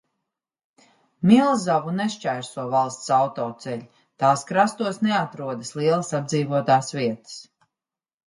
Milzavu nešķērso valsts autoceļi, tās krastos neatrodas lielas apdzīvotās vietas.